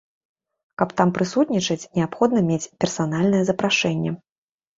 Каб там прысутнічаць, неабходна мець персанальнае запрашэнне.